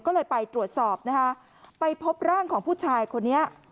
ก็เลยไปตรวจสอบนะคะไปพบร่างของผู้ชายคนนี้